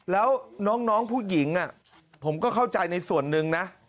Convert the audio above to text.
แล้วน้องผู้หญิงผมก็เข้าใจในส่วนหนึ่งนะ